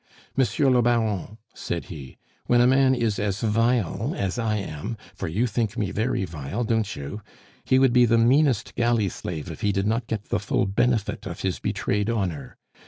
"Monsieur le Baron," said he, "when a man is as vile as I am for you think me very vile, don't you? he would be the meanest galley slave if he did not get the full benefit of his betrayed honor.